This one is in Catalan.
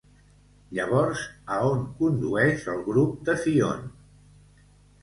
Llavors, a on condueix el grup de Fionn?